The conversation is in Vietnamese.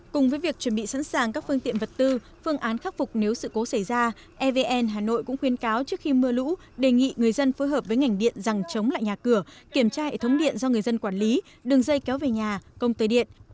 cùng với việc chuẩn bị sẵn sàng các phương tiện vật tư phương án khắc phục nếu sự cố xảy ra evn hà nội cũng khuyên cáo trước khi mưa lũ đề nghị người dân phối hợp với ngành điện rằng chống lại nhà cửa kiểm tra hệ thống điện do người dân quản lý đường dây kéo về nhà công tơ điện